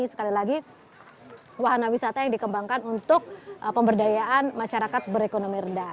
sekali lagi wahana wisata yang dikembangkan untuk pemberdayaan masyarakat berekonomi rendah